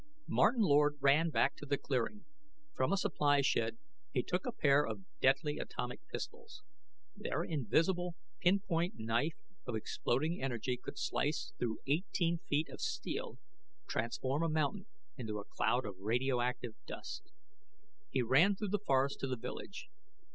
Martin Lord ran back to the clearing. From a supply shed he took a pair of deadly atomic pistols. Their invisible, pin point knife of exploding energy could slice through eighteen feet of steel, transform a mountain into a cloud of radioactive dust. He ran through the forest to the village.